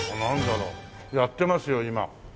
やってますよ今。